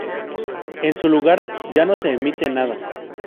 En su lugar ya no se emite nada.